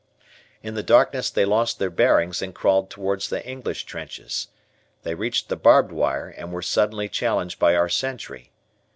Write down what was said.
In the darkness they lost their bearings and crawled toward the English trenches. They reached the barbed wire and were suddenly challenged by our sentry.